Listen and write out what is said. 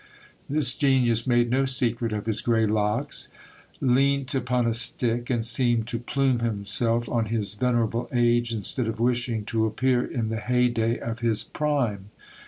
This genius made no secret of his grey locks ; leant upon a stick, and seemed to plume himself on his venerable age instead of wishing to appear in the hey day of his prime.